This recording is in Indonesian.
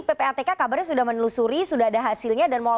mendalami lebih dalam